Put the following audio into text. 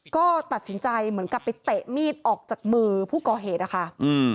ก็ตัดสินใจเหมือนกับไปเตะมีดออกจากมือผู้ก่อเหตุนะคะอืม